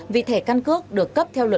vì thẻ căn cước được cấp theo luật